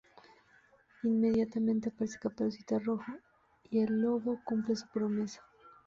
Inmediatamente, aparece Caperucita Roja y el lobo cumple su promesa.